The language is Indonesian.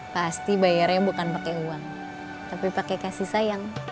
pasti bayarnya bukan pakai uang tapi pakai kasih sayang